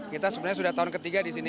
kita sebenarnya sudah tahun ketiga disini